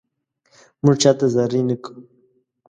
مونږ چاته زاري نه کوو